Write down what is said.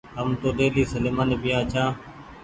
هم تو ڍيلي سليمآني پيآ ڇآن